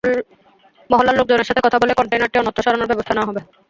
মহল্লার লোকজনের সঙ্গে কথা বলে কনটেইনারটি অন্যত্র সরানোর ব্যবস্থা নেওয়া হবে।